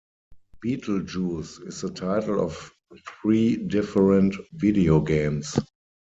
Beetlejuice is the title of three different video games.